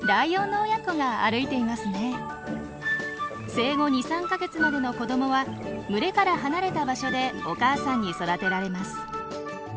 生後２３か月までの子どもは群れから離れた場所でお母さんに育てられます。